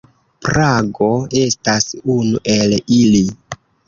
Prago estas unu el ili.